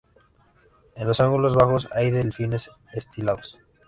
En los ángulos bajos hay delfines estilizados.